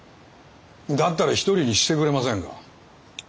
だったら一人にしてくれませんか。